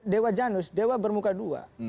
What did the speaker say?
dewa janus dewa bermuka dua